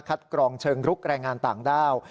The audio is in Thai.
กรองเชิงลุกแรงงานต่างด้าว